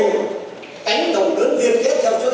bộ trưởng và thủ tướng ninh phú mới gửi tin cho chúng ta